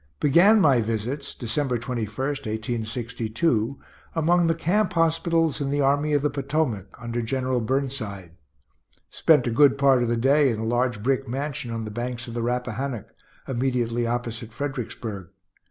Began my visits (December 21, 1862) among the camp hospitals in the Army of the Potomac, under General Burnside. Spent a good part of the day in a large brick mansion on the banks of the Rappahannock, immediately opposite Fredericksburg.